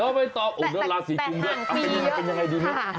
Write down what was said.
โอ้ยนอกไปต่ออุ่นแล้วราศีกรุมด้วยเป็นยังไงดีเนี่ย